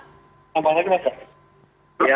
tambah lagi mbak